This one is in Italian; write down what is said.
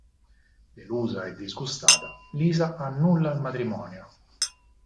Delusa e disgustata, Lisa annulla il matrimonio.